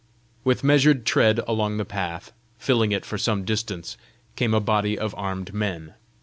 With measured tread along the path, filling it for some distance, came a body of armed men.